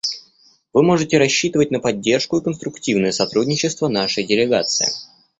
Вы можете рассчитывать на поддержку и конструктивное сотрудничество нашей делегации.